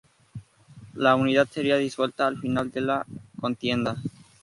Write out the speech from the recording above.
La unidad sería disuelta al final de la contienda.